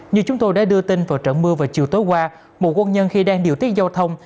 như chúng tôi đã đưa tin vào trận mưa vào chiều tối qua một quân nhân khi đang điều tiết giao thông